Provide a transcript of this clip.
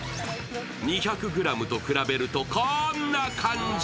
２００ｇと比べると、こんな感じ。